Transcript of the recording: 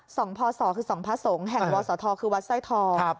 ส่องพ่อสอคือส่องพระสงฆ์แห่งวอสอทรคือวัดไส้ทร